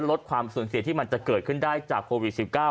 ลดความสูญเสียที่มันจะเกิดขึ้นได้จากโควิด๑๙